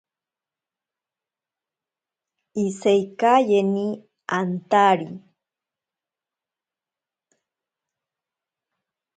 Iseikaeyeni antari.